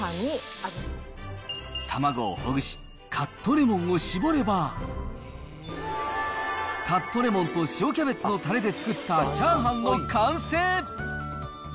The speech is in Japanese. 卵をほぐし、カットレモンを搾れば、カットレモンと塩キャベツのたれで作ったチャーハンの完成。